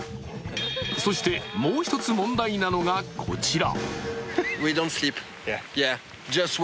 そして、もう一つ問題なのがこちら。